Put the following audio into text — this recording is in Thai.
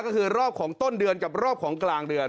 ก็คือรอบของต้นเดือนกับรอบของกลางเดือน